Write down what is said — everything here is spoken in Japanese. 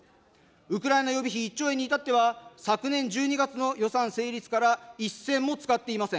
ウクライナ予備費１兆円に至っては、昨年１２月の予算成立から１銭も使っていません。